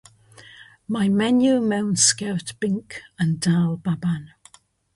Mae menyw mewn sgert binc yn dal baban.